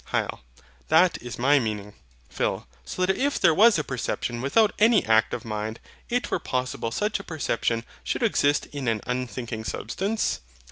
HYL. That is my meaning. PHIL. So that if there was a perception without any act of the mind, it were possible such a perception should exist in an unthinking substance?